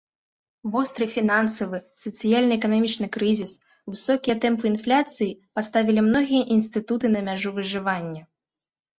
Востры фінансавы, сацыяльна-эканамічны крызіс, высокія тэмпы інфляцыі паставілі многія інстытуты на мяжу выжывання.